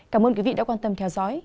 cảm ơn quý vị đã quan tâm theo dõi